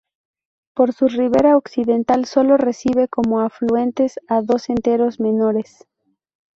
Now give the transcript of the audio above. Por su ribera occidental sólo recibe como afluentes a dos esteros menores.